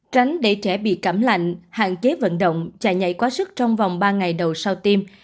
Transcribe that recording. tránh để trẻ bị cảm lạnh hạn chế vận động chạy nhảy quá sức trong vòng ba ngày đầu sau tiêm